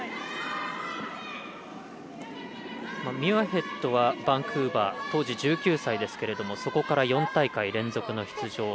ミュアヘッドはバンクーバー当時１９歳ですけどそこから４大会連続の出場。